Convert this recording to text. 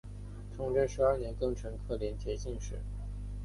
崇祯十二年庚辰科联捷进士。